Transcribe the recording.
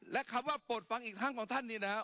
และคำว่าโปรดฟังอีกครั้งของท่านนี่นะครับ